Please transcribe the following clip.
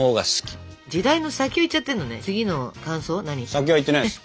先はいってないです